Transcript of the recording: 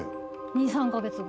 ２３カ月後。